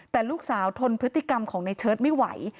แต่ลูกสาวทนพฤติกรรมของในเชิดไม่ไหว